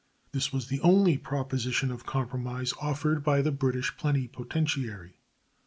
This was the only proposition of compromise offered by the British plenipotentiary.